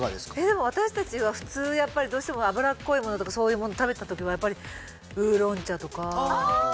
でも私達は普通やっぱりどうしても脂っこいものとかそういうもの食べた時はやっぱりウーロン茶とかああ！